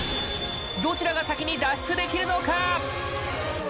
どちらが先に脱出できるのか！